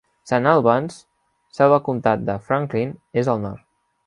Saint Albans, seu del comtat de Franklin, és al nord.